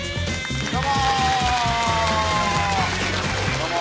どうも。